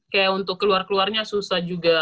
kayak untuk keluar keluarnya susah juga